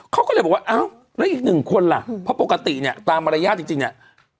เขาก็เลยบอกว่าอ้าวแล้วอีกหนึ่งคนล่ะเพราะปกติเนี่ยตามมารยาทจริงเนี่ย